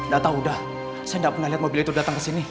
gak tau dah saya gak pernah liat mobil itu datang kesini